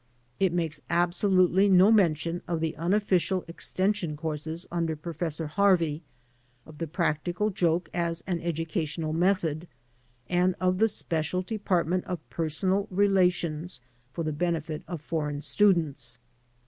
It makes absolutely no mention of the unofficial extension courses imder Professor Harvey, of the practical joke as an educa tional method, and of the special department of personal relations for the benefit of foreign students.